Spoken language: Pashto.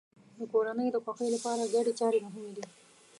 د کورنۍ د خوښۍ لپاره ګډې چارې مهمې دي.